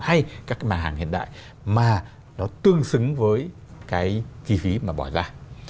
hay các cái mặt hàng hiện đại mà nó tương xứng với cái kí phí mà bỏ ra